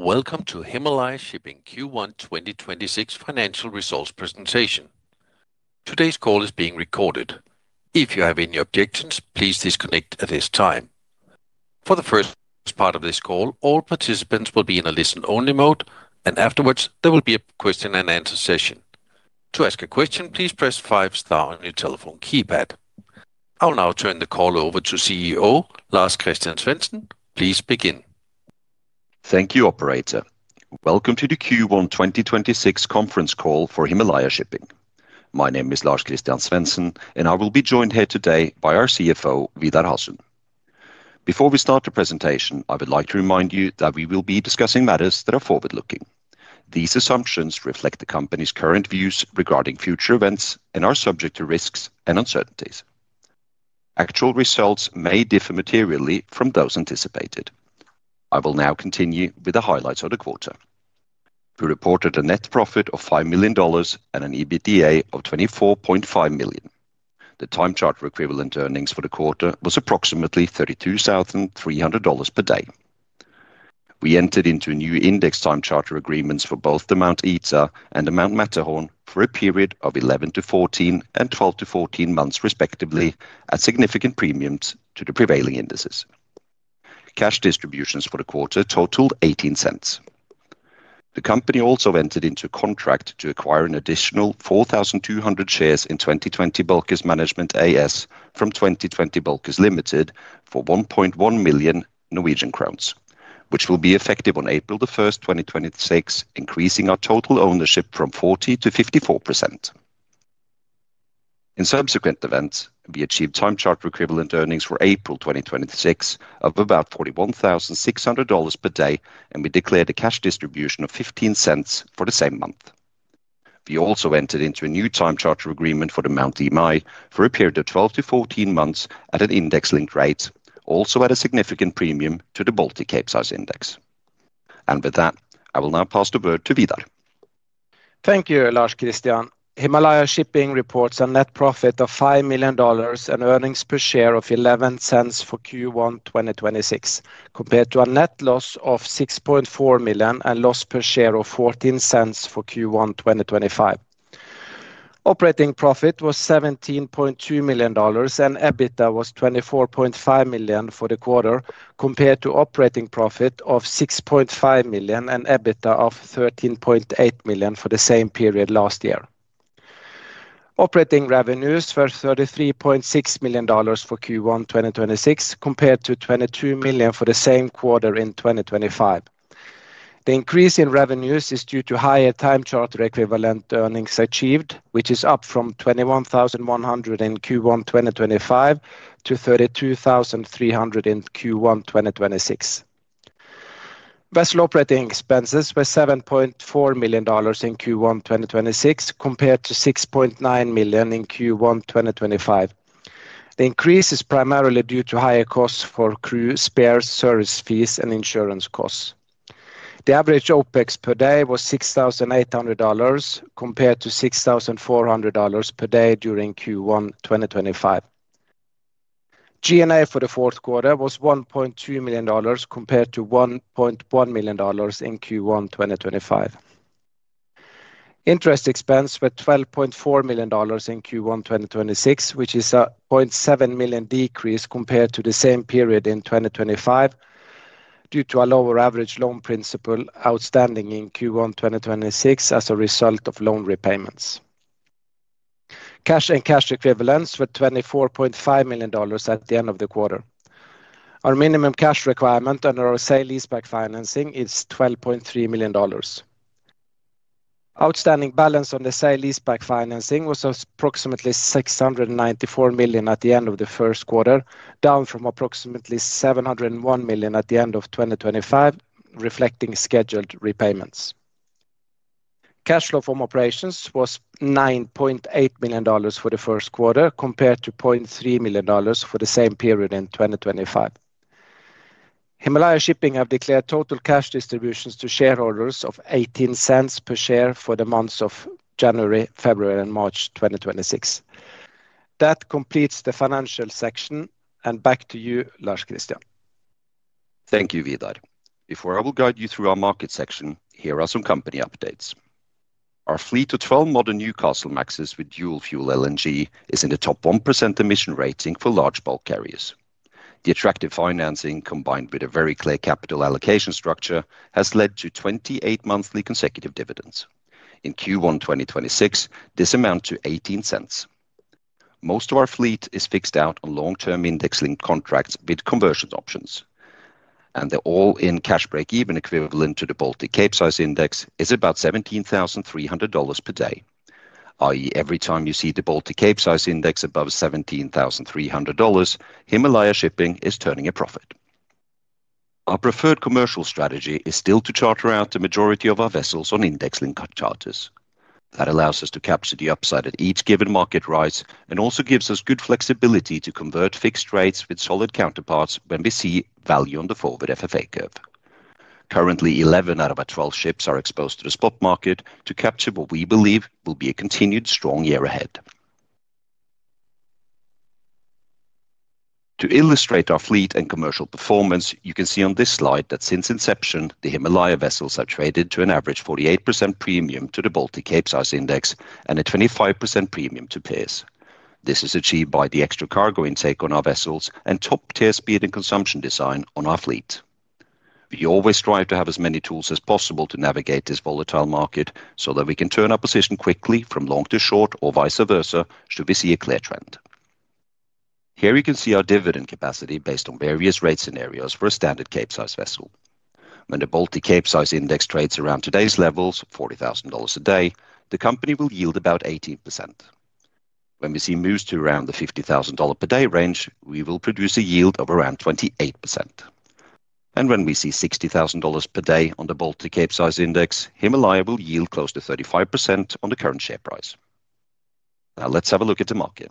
Welcome to Himalaya Shipping Q1 2026 Financial Results presentation. Today's call is being recorded. If you have any objections, please disconnect at this time. For the first part of this call, all participants will be in a listen only mode. Afterwards, there will be a question-and-answer session. I'll now turn the call over to CEO, Lars-Christian Svensen. Please begin. Thank you, Operator. Welcome to the Q1 2026 Conference Call for Himalaya Shipping. My name is Lars-Christian Svensen, and I will be joined here today by our CFO, Vidar Hasund. Before we start the presentation, I would like to remind you that we will be discussing matters that are forward-looking. These assumptions reflect the company's current views regarding future events and are subject to risks and uncertainties. Actual results may differ materially from those anticipated. I will now continue with the highlights of the quarter. We reported a net profit of $5 million and an EBITDA of $24.5 million. The Time Charter Equivalent earnings for the quarter was approximately $32,300 per day. We entered into new index time charter agreements for both the Mount Ita and the Mount Matterhorn for a period of 11 months to 14 months and 12 months to 14 months, respectively, at significant premiums to the prevailing indices. Cash distributions for the quarter totaled $0.18. The company also entered into contract to acquire an additional 4,200 shares in 2020 Bulkers Management AS from 2020 Bulkers Ltd. for 1.1 million Norwegian crowns, which will be effective on April 1st, 2026, increasing our total ownership from 40% to 54%. In subsequent events, we achieved Time Charter Equivalent earnings for April 2026 of about $41,600 per day, and we declared a cash distribution of $0.15 for the same month. We also entered into a new Time Charter Agreement for the Mount Emei for a period of 12 months to 14 months at an index-linked rate, also at a significant premium to the Baltic Capesize Index. With that, I will now pass the word to Vidar. Thank you, Lars-Christian. Himalaya Shipping reports a net profit of $5 million, and earnings per share of $0.11 for Q1 2026, compared to a net loss of $6.4 million and loss per share of $0.14 for Q1 2025. Operating profit was $17.2 million and EBITDA was $24.5 million for the quarter, compared to operating profit of $6.5 million and EBITDA of $13.8 million for the same period last year. Operating revenues were $33.6 million for Q1 2026, compared to $22 million for the same quarter in 2025. The increase in revenues is due to higher Time Charter Equivalent earnings achieved, which is up from $21,100 in Q1 2025 to $32,300 in Q1 2026. Vessel operating expenses were $7.4 million in Q1 2026, compared to $6.9 million in Q1 2025. The increase is primarily due to higher costs for crew spares, service fees and insurance costs. The average OPEX per day was $6,800 compared to $6,400 per day during Q1 2025. G&A for the fourth quarter was $1.2 million compared to $1.1 million in Q1 2025. Interest expense were $12.4 million in Q1 2026, which is a $0.7 million decrease compared to the same period in 2025 due to a lower average loan principal outstanding in Q1 2026 as a result of loan repayments. Cash and cash equivalents were $24.5 million at the end of the quarter. Our minimum cash requirement under our sale leaseback financing is $12.3 million. Outstanding balance on the sale leaseback financing was approximately $694 million at the end of the first quarter, down from approximately $701 million at the end of 2025, reflecting scheduled repayments. Cash flow from operations was $9.8 million for the first quarter, compared to $0.3 million for the same period in 2025. Himalaya Shipping have declared total cash distributions to shareholders of $0.18 per share for the months of January, February and March 2026. That completes the financial section. Back to you, Lars-Christian. Thank you, Vidar. Before I will guide you through our market section, here are some company updates. Our Fleet of 12 modern Newcastlemax with dual-fuel LNG is in the top 1% emission rating for large bulk carriers. The attractive financing, combined with a very clear capital allocation structure, has led to 28 monthly consecutive dividends. In Q1 2026, this amount to $0.18. Most of our fleet is fixed out on long-term index-linked contracts with conversion options, and the all-in cash breakeven equivalent to the Baltic Capesize Index is about $17,300 per day. i.e., every time you see the Baltic Capesize Index above $17,300, Himalaya Shipping is turning a profit. Our preferred commercial strategy is still to charter out the majority of our vessels on index-linked charters. That allows us to capture the upside at each given market rise and also gives us good flexibility to convert fixed rates with solid counterparts when we see value on the forward FFA curve. Currently, 11 out of our 12 ships are exposed to the spot market to capture what we believe will be a continued strong year ahead. To illustrate our fleet and commercial performance, you can see on this slide that since inception, the Himalaya vessels have traded to an average 48% premium to the Baltic Capesize Index and a 25% premium to peers. This is achieved by the extra cargo intake on our vessels and top-tier speed and consumption design on our fleet. We always strive to have as many tools as possible to navigate this volatile market so that we can turn our position quickly from long to short or vice versa should we see a clear trend. Here you can see our dividend capacity based on various rate scenarios for a standard Capesize vessel. When the Baltic Capesize Index trades around today's levels, $40,000 a day, the company will yield about 18%. When we see moves to around the $50,000 per day range, we will produce a yield of around 28%. When we see $60,000 per day on the Baltic Capesize Index, Himalaya will yield close to 35% on the current share price. Now let's have a look at the market.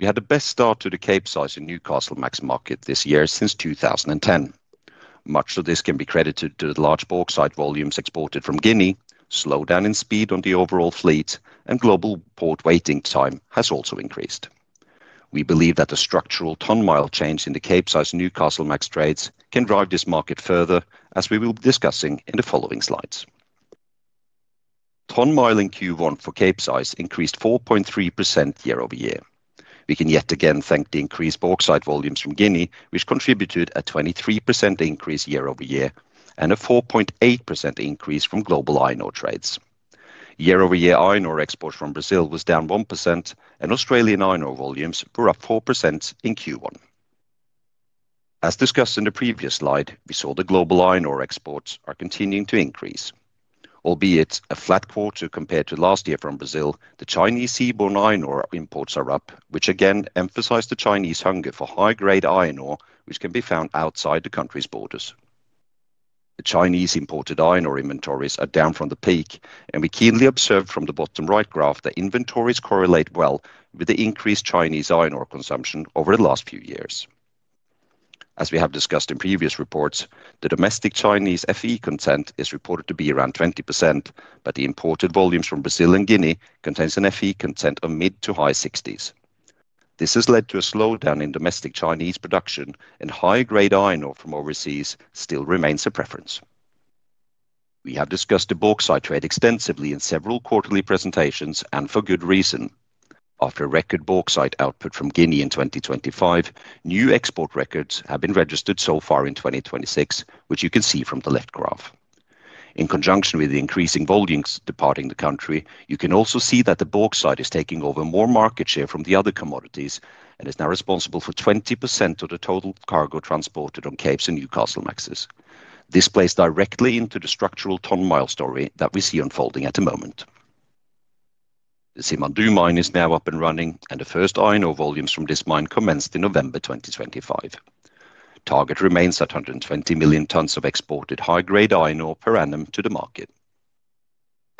We had the best start to the Capesize in Newcastlemax market this year since 2010. Much of this can be credited to the large bauxite volumes exported from Guinea, slowdown in speed on the overall fleet, and global port waiting time has also increased. We believe that the structural ton-mile change in the Capesize Newcastlemax trades can drive this market further, as we will be discussing in the following slides. Ton-mile in Q1 for Capesize increased 4.3% year-over-year. We can yet again thank the increased bauxite volumes from Guinea, which contributed a 23% increase year-over-year and a 4.8% increase from global iron ore trades. Year-over-year iron ore exports from Brazil was down 1%. Australian iron ore volumes were up 4% in Q1. As discussed in the previous slide, we saw the global iron ore exports are continuing to increase. Albeit a flat quarter compared to last year from Brazil, the Chinese seaborne iron ore imports are up, which again emphasized the Chinese hunger for high-grade iron ore, which can be found outside the country's borders. The Chinese imported iron ore inventories are down from the peak, and we keenly observed from the bottom right graph that inventories correlate well with the increased Chinese iron ore consumption over the last few years. As we have discussed in previous reports, the domestic Chinese Fe content is reported to be around 20%, but the imported volumes from Brazil and Guinea contains an Fe content of mid to high 60s. This has led to a slowdown in domestic Chinese production, and higher-grade iron ore from overseas still remains a preference. We have discussed the bauxite trade extensively in several quarterly presentations, and for good reason. After a record bauxite output from Guinea in 2025, new export records have been registered so far in 2026, which you can see from the left graph. In conjunction with the increasing volumes departing the country, you can also see that the bauxite is taking over more market share from the other commodities and is now responsible for 20% of the total cargo transported on Capes and Newcastlemaxes. This plays directly into the structural ton-mile story that we see unfolding at the moment. The Simandou mine is now up and running, and the first iron ore volumes from this mine commenced in November 2025. Target remains at 120 million tons of exported high-grade iron ore per annum to the market.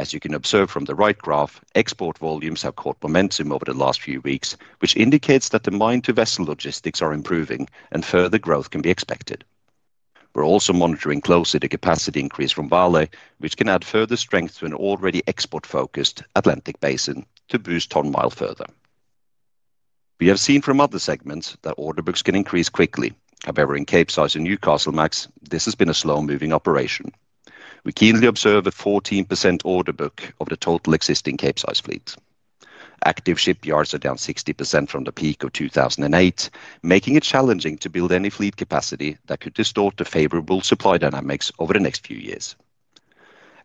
As you can observe from the right graph, export volumes have caught momentum over the last few weeks, which indicates that the mine to vessel logistics are improving and further growth can be expected. We're also monitoring closely the capacity increase from Vale, which can add further strength to an already export-focused Atlantic basin to boost ton-mile further. We have seen from other segments that order books can increase quickly. However, in Capesize and Newcastlemax, this has been a slow-moving operation. We keenly observe a 14% order book of the total existing Capesize fleet. Active shipyards are down 60% from the peak of 2008, making it challenging to build any fleet capacity that could distort the favorable supply dynamics over the next few years.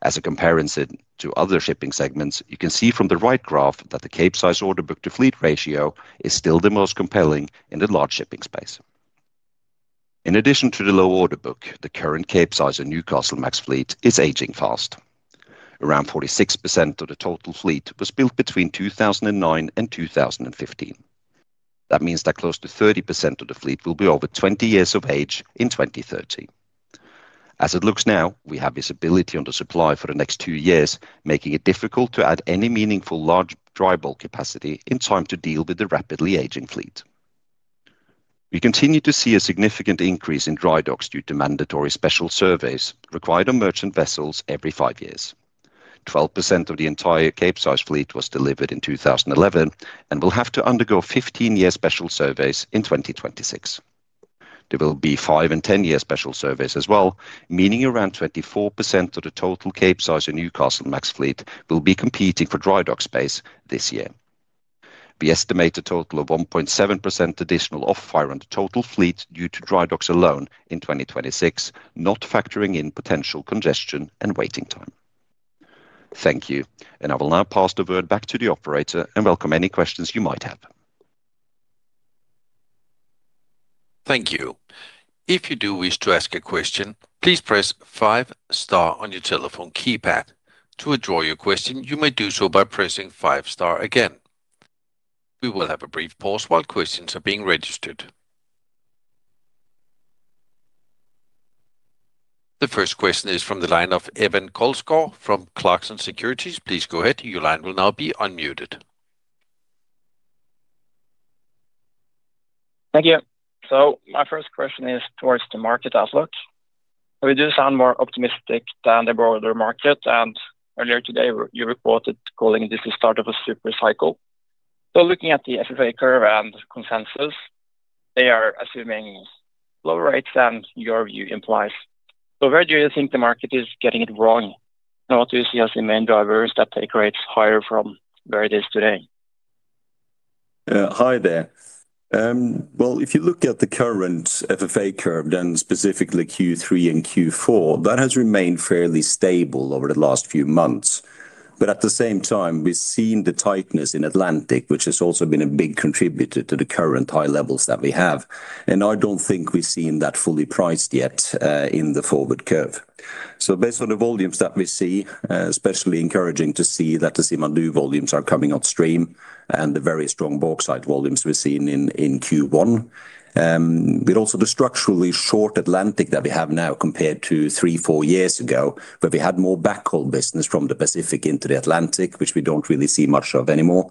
As a comparison to other shipping segments, you can see from the right graph that the Capesize order book to fleet ratio is still the most compelling in the large shipping space. In addition to the low order book, the current Capesize and Newcastlemax fleet is aging fast. Around 46% of the total fleet was built between 2009 and 2015. That means that close to 30% of the fleet will be over 20 years of age in 2030. As it looks now, we have visibility on the supply for the next two years, making it difficult to add any meaningful large dry bulk capacity in time to deal with the rapidly aging fleet. We continue to see a significant increase in dry docks due to mandatory special surveys required on merchant vessels every five years. 12% of the entire Capesize fleet was delivered in 2011 and will have to undergo 15-year special surveys in 2026. There will be five and 10-year special surveys as well, meaning around 24% of the total Capesize and Newcastlemax fleet will be competing for dry dock space this year. We estimate a total of 1.7% additional off-hire on the total fleet due to dry docks alone in 2026, not factoring in potential congestion and waiting time. Thank you. I will now pass the word back to the operator and welcome any questions you might have. Thank you. If you do wish to ask a question, please press five star on your telephone keypad. To withdraw your question, you may do so by pressing five star again. We will have a brief pause while questions are being registered. The first question is from the line of Eirik Kolskår from Clarksons Securities. Please go ahead. Your line will now be unmuted. Thank you. My first question is towards the market outlook. We do sound more optimistic than the broader market. Earlier today you reported calling this the start of a supercycle. Looking at the FFA curve and consensus, they are assuming lower rates than your view implies. Where do you think the market is getting it wrong? What do you see as the main drivers that take rates higher from where it is today? Hi there. Well, if you look at the current FFA curve, then specifically Q3 and Q4, that has remained fairly stable over the last few months. At the same time, we've seen the tightness in Atlantic, which has also been a big contributor to the current high levels that we have. I don't think we've seen that fully priced yet in the forward curve. Based on the volumes that we see, especially encouraging to see that the Simandou volumes are coming upstream and the very strong bauxite volumes we're seeing in Q1. Also, the structurally short Atlantic that we have now compared to three, four years ago, where we had more backhaul business from the Pacific into the Atlantic, which we don't really see much of anymore.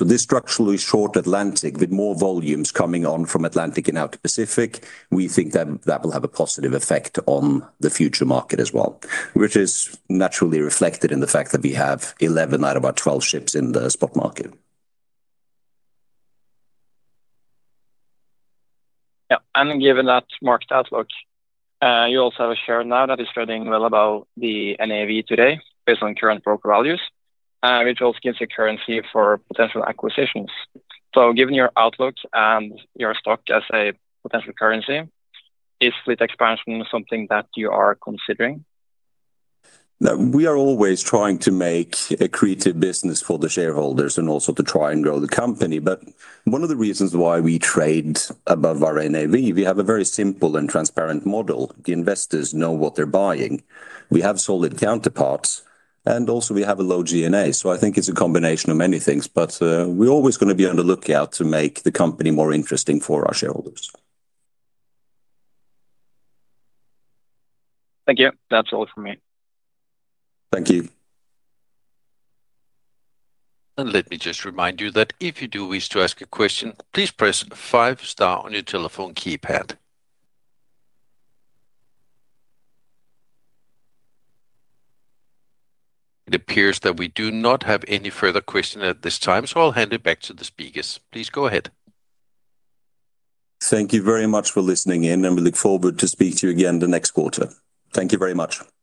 This structurally short Atlantic with more volumes coming on from Atlantic and out Pacific, we think that will have a positive effect on the future market as well. Which is naturally reflected in the fact that we have 11 out of our 12 ships in the spot market. Yeah. Given that market outlook, you also have a share now that is trading well above the NAV today based on current broker values, which also gives you currency for potential acquisitions. Given your outlook and your stock as a potential currency, is fleet expansion something that you are considering? We are always trying to make a creative business for the shareholders and also to try and grow the company. One of the reasons why we trade above our NAV, we have a very simple and transparent model. The investors know what they're buying. We have solid counterparts, and also we have a low G&A. I think it's a combination of many things. We're always going to be on the lookout to make the company more interesting for our shareholders. Thank you. That's all from me. Thank you. Let me just remind you that if you do wish to ask a question, please press five star on your telephone keypad. It appears that we do not have any further questions at this time, so I'll hand it back to the speakers. Please go ahead. Thank you very much for listening in, and we look forward to speak to you again the next quarter. Thank you very much. Thank you.